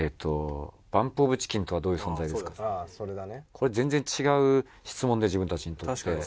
これ全然違う質問で自分たちにとって。